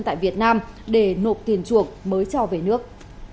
tại việt nam để nộp tiền chuộc mới cho về nước